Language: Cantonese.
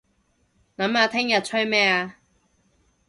諗下聽日吹咩吖